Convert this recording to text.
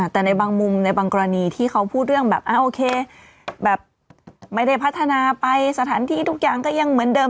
แต่ในบางมุมในบางกรณีที่เขาพูดเรื่องแบบโอเคแบบไม่ได้พัฒนาไปสถานที่ทุกอย่างก็ยังเหมือนเดิม